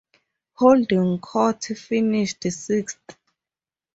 Holding Court finished sixth.